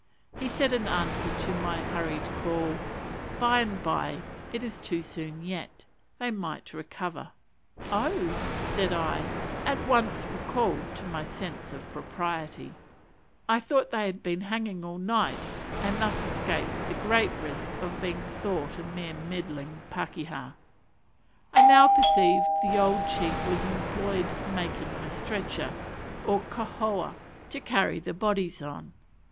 He said, in answer to my hurried call, "By and by; it is too soon yet: they might recover." "Oh," said I, at once recalled to my sense of propriety, "I thought they had been hanging all night," and thus escaped the great risk of being thought a mere meddling pakeha. I now perceived the old chief was employed making a stretcher, or kauhoa, to carry the bodies on.